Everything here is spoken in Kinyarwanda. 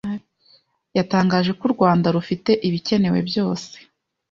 yatangaje ko u Rwanda rufite ibikenewe byose